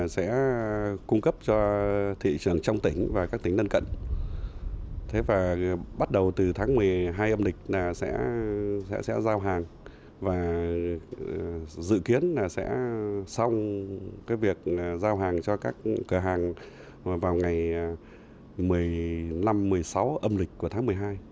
sẽ giao hàng và dự kiến sẽ xong việc giao hàng cho các cửa hàng vào ngày một mươi năm một mươi sáu âm lịch của tháng một mươi hai